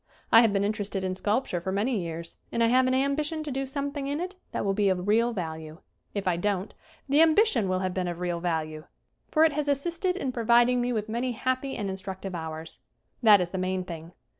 I have been interested in sculpture for many years, and I have an ambi tion to do something in it that will be of real value. If I don't, the ambition will have been of real value, for it has assisted in providing I J * 5: SCREEN ACTING 127 me with many happy and instructive hours. That is the main thing.